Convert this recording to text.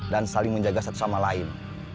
dan saling menjaga satu sama lain